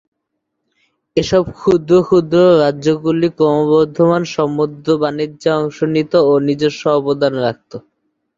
এসব ক্ষুদ্র ক্ষুদ্র রাজ্যগুলি ক্রমবর্ধমান সমুদ্র বাণিজ্যে অংশ নিত ও নিজস্ব অবদান রাখত।